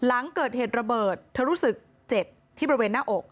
หลังเกิดเหตุระเบิดเธอรู้สึกเจ็บที่บริเวณหน้าอก